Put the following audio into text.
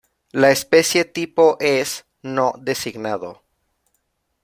La especie tipo es: no designado.